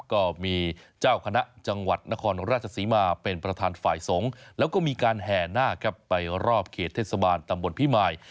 ก็มีเจ้าคณะจังหวัดนครราชศรีมาเป็นประธานฝ่ายสงฆ์แล้วก็มีการแห่นาคครับไปรอบเขตเทศบาลตำบลพิมาย